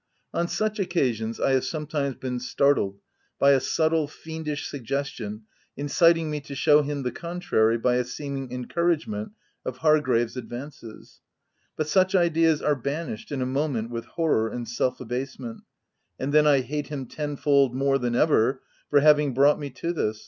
On such occasions I have sometimes been startled by a subtle, fiendish suggestion inciting me to show him the contrary by a seeming encourage ment of Hargrave's advances ; but such ideas are banished in a moment with horror and self abasement ; and then I hate him tenfold more than ever, for having brought me to this!